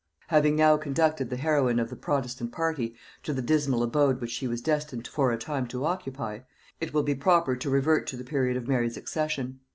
Having now conducted the heroine of the protestant party to the dismal abode which she was destined for a time to occupy, it will be proper to revert to the period of Mary's accession.